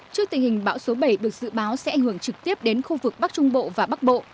trước tình hình bão số bảy được dự báo sẽ ảnh hưởng trực tiếp đến khu vực bắc trung bộ và bắc bộ